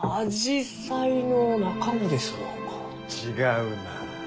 違うな。